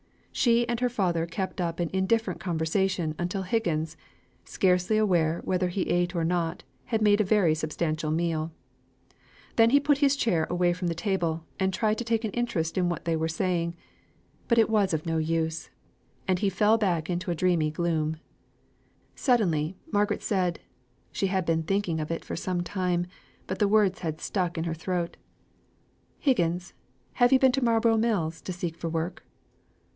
She and her father kept up an indifferent conversation until Higgins, scarcely aware whether he ate or not, had made a very substantial meal. Then he pushed his chair away from the table, and tried to take an interest in what they were saying; but it was of no use; and he fell back into dreamy gloom. Suddenly, Margaret said (she had been thinking of it for some time, but the words had stuck in her throat), "Higgins have you been to Marlborough Mills to seek for work?"